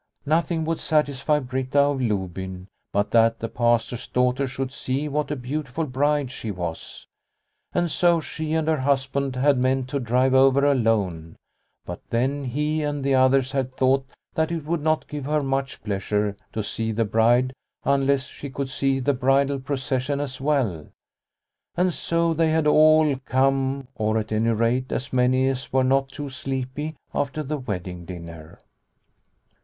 Nothing would satisfy Britta of Lobyn but that the Pastor's daughter should see what a beautiful bride she was, and so she The Bride's Dance 1 1 1 and her husband had meant to drive over alone, but then he and the others had thought that it would not give her much pleasure to see the bride unless she could see the bridal procession as well, and so they had all come or, at any rate, as many as were not too sleepy after the wedding dinner.